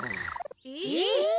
えっ？